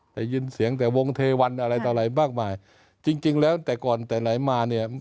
ได้ยินเสียงแต่วงเทวันอะไรต่ออะไรมากมายจริงจริงแล้วแต่ก่อนแต่ไหนมาเนี่ย